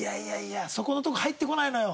そこのところ入ってないのよ